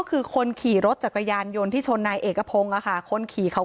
ก็คือคนขี่รถจักรยานยนต์ที่ชนนายเอกพงศ์คนขี่เขา